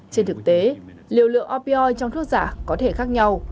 trên thực tế liều lượng opoi trong thuốc giả có thể khác nhau